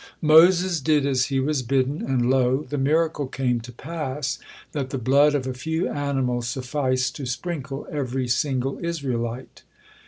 Moses did as he was bidden, and lo! the miracle came to pass that the blood of a few animals sufficed to sprinkle every single Israelite.